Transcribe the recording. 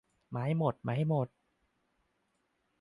มาให้หมด มาให้หมด